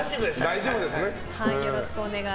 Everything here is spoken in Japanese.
大丈夫です？